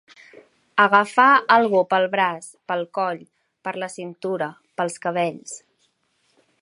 Agafar algú pel braç, pel coll, per la cintura, pels cabells.